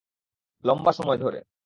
লম্বা সময় ধরে।